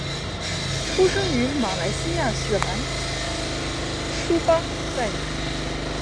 出生于马来西亚雪兰莪梳邦再也。